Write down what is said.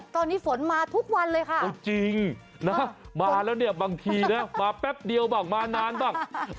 ตอนนี้ฝนมาทุกวันเลยค่ะเอาจริงนะมาแล้วเนี่ยบางทีนะมาแป๊บเดียวบ้างมานานบ้าง